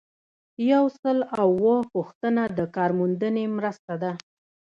یو سل او اووه پوښتنه د کارموندنې مرسته ده.